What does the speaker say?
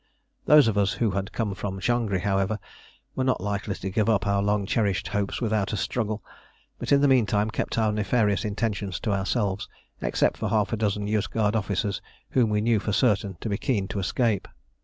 Those of us who had come from Changri, however, were not likely to give up our long cherished hopes without a struggle, but in the meantime kept our nefarious intentions to ourselves, except for half a dozen Yozgad officers whom we knew for certain to be keen to escape.